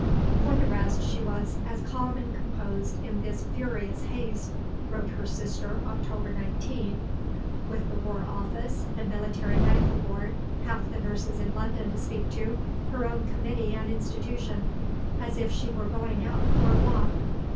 '" For the rest, she was "as calm and composed in this furious haste," wrote her sister (Oct. 19), "with the War Office, the Military Medical Board, half the nurses in London to speak to, her own Committee and Institution, as if she were going out for a walk."